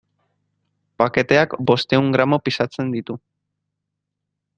Paketeak bostehun gramo pisatzen ditu.